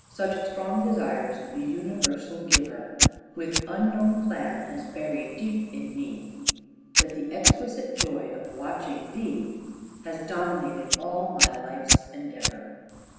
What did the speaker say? Such strong desires the universal Giver With unknown plan has buried deep in me That the exquisite joy of watching thee Has dominated all my life's endeavor.